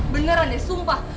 beneran ya sumpah